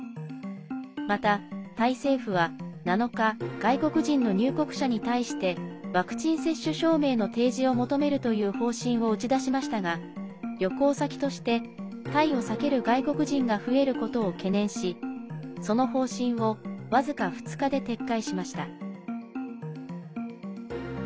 また、タイ政府は７日外国人の入国者に対してワクチン接種証明の提示を求めるという方針を打ち出しましたが旅行先としてタイを避ける外国人が増えることを懸念しその方針を僅か２日で撤回しました。